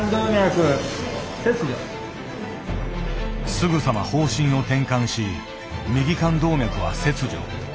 すぐさま方針を転換し右肝動脈は切除。